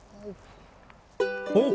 おっ！